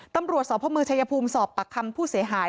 ตำรวจสพมชายภูมิสอบปากคำผู้เสียหาย